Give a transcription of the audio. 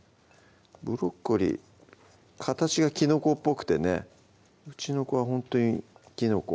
ブロッコリー形がきのこっぽくてねうちの子はほんとにきのこ